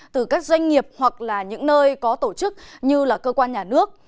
từ các doanh nghiệp hoặc là những nơi có tổ chức như là cơ quan nhà nước